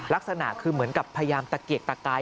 ลักษณะคือเหมือนกับพยายามตะเกียกตะกาย